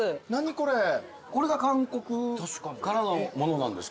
これが韓国からのものなんですか？